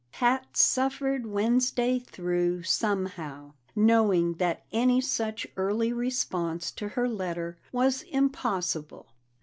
Pat suffered Wednesday through somehow, knowing that any such early response to her letter was impossible.